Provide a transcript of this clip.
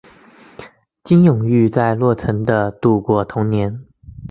金永玉在洛城的度过童年。